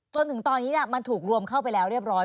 จนถึงตอนนี้มันถูกรวมเข้าไปแล้วเรียบร้อย